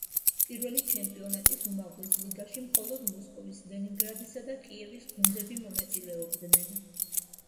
პირველი ჩემპიონატის უმაღლეს ლიგაში მხოლოდ მოსკოვის, ლენინგრადისა და კიევის გუნდები მონაწილეობდნენ.